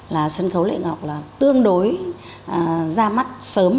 là sân khấu lệ ngọc là tương đối ra mắt sớm